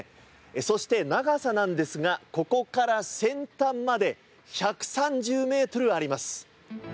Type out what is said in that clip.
そして、長さなんですがここから先端まで１３０ｍあります。